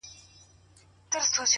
زما پر سهادت ملا ده دا فتواء ورکړې!